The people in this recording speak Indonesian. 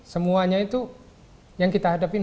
semuanya itu yang kita hadapin